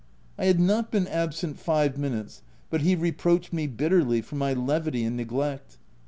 I had not been absent five minutes, but he reproached me bitterly for my levity and neglect.